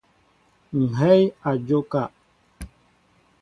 Ŋhɛy a njóka.